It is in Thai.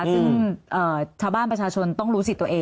ซึ่งชาวบ้านประชาชนต้องรู้สิทธิ์ตัวเอง